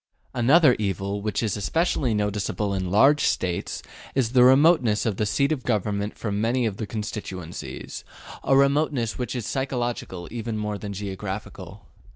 Another evil, which is especially noticeable in large States, is the remoteness of the seat of government from many of the constituencies a remoteness which is psychological even more than geographical.